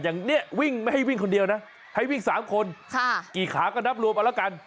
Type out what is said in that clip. ให้วิ่งสามคนกี่ขาก็นับรวมเอาละกัน